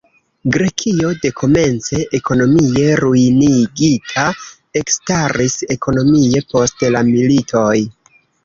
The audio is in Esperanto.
Grekio, dekomence ekonomie ruinigita, ekstaris ekonomie post la militoj.